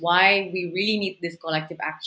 kita benar benar membutuhkan aksi kolektif ini